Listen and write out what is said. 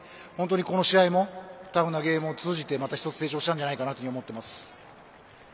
本当に、この試合もタフなゲームを通じてまた１つ成長したんじゃないかと思っています。